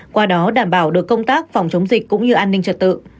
qua đó đảm bảo được công tác phòng chống dịch cũng như an ninh trật tự